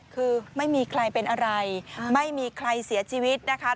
คือไม่มีใครเป็นอะไรไม่มีใครเสียชีวิตนะคะ